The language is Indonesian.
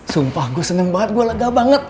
sumpah gue seneng banget gue lega banget